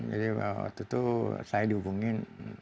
jadi waktu itu saya dihubungin